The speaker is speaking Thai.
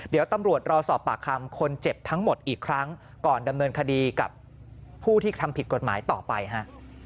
เดี๋ยวตำรวจรอสอบปากคำคนเจ็บทั้งหมดอีกครั้งก่อนดำเนินคดีกับผู้ที่ทำผิดกฎหมายต่อไปฮะ